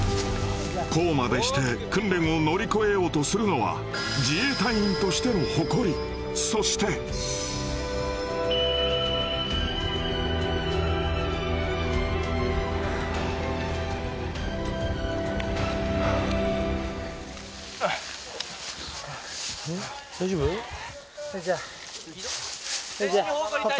こうまでして訓練を乗り越えようとするのは自衛隊員としての誇りそしてレンジャーレンジャー立った？